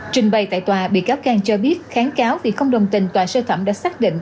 trình bày tại tòa bị cáo khang cho biết kháng cáo vì không đồng tình tòa sơ thẩm đã xác định